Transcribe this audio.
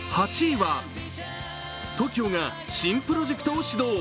ＴＯＫＩＯが新プロジェクトを始動。